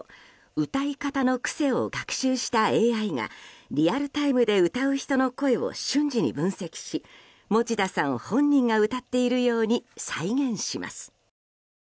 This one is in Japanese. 歌い方の癖を学習したＡＩがリアルタイムで歌う人の声を瞬時に分析し持田さん本人が歌っているように再現します。